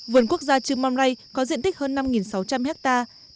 vườn quốc gia trư mâm rây có diện tích hơn năm sáu trăm linh hectare